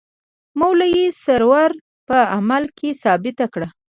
مولوي سرور په عمل کې ثابته کړه.